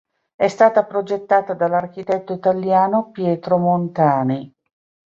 È stata progettata dall'architetto italiano Pietro Montani.